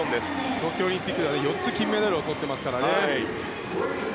東京オリンピックでは４つメダルを取っていますからね。